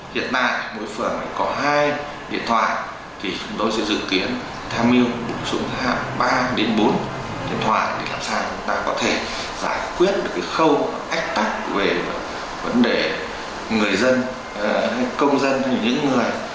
hiện tại mỗi phường có hai điện thoại thì chúng tôi sẽ dự kiến tham mưu bổ sung ba đến bốn điện thoại để làm sao chúng ta có thể giải quyết được cái khâu ách tắc về vấn đề người dân công dân hay những người